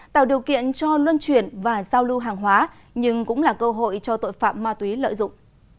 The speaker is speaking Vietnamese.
tạo điều kiện cho luân chuyển và giao lưu hàng hóa nhưng cũng là cơ hội cho tội phạm ma túy lợi dụng